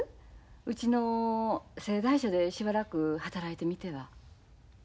うちの製材所でしばらく働いてみては。